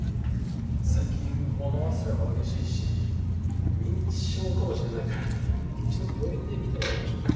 最近物忘れも激しいし認知症かもしれないから一度病院で診てもらいましょうか。